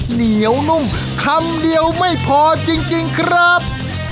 เหนียวนุ่มคำเดียวไม่พอจริงครับ